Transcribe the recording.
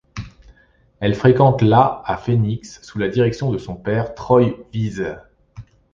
Elle fréquente la à Phoenix sous la direction de son père Troy Wiese.